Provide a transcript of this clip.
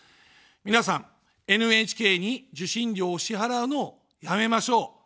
皆さん、ＮＨＫに受信料を支払うのをやめましょう。